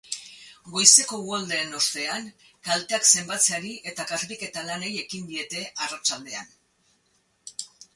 Goizeko uholdeen ostean, kalteak zenbatzeari eta garbiketa lanei ekin diete arratsaldean.